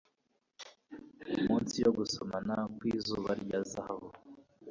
munsi yo gusomana kwizuba rya zahabu